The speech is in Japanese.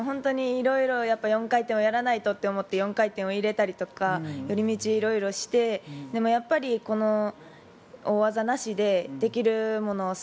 いろいろ４回転をやらないとと思って４回転を入れたりとか寄り道をいろいろしてでも、やっぱりこの大技なしでできるもの